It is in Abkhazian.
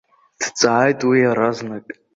Дҵааит уи иаразнак.